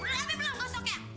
udah habis belum gosok ya